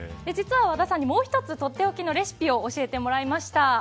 実は和田さんに、もう一つとっておきのレシピを教えてもらいました。